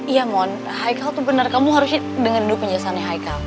iya mon haikal tuh bener kamu harus dengerin dulu penjelasannya haikal